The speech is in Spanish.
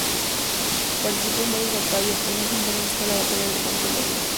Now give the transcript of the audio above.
Participó en varias batallas, la más importante fue la Batalla de Monte Longdon.